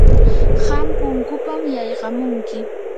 qam punkupam yaykamunki.